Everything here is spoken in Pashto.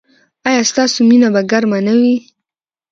ایا ستاسو مینه به ګرمه نه وي؟